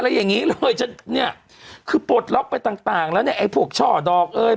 อย่างงี้เลยจะเนี่ยคือปลดล็อกไปต่างต่างแล้วเนี่ยไอ้พวกช่อดอกเอ้ย